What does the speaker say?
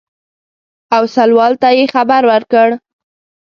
اوسلوال ته یې خبر ورکړ.